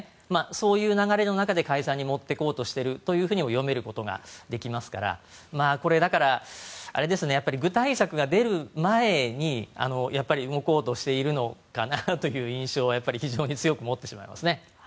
そういう流れの中で解散に持っていこうとしているというふうにも読むことができますからこれ、だから具体策が出る前に動こうとしているのかなという印象は強く持ってしまいますね。